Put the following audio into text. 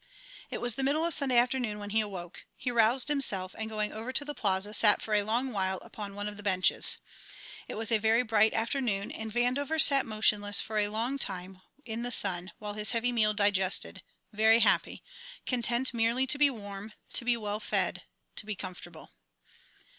It was the middle of Sunday afternoon when he awoke. He roused himself and going over to the Plaza sat for a long while upon one of the benches. It was a very bright afternoon and Vandover sat motionless for a long time in the sun while his heavy meal digested, very happy, content merely to be warm, to be well fed, to be comfortable.